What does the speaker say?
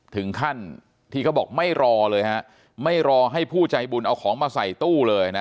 ถึงขั้นที่เขาบอกไม่รอเลยฮะไม่รอให้ผู้ใจบุญเอาของมาใส่ตู้เลยนะ